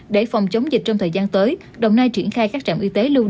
để phòng chống dịch trong thời gian tới đồng nai triển khai các trạm y tế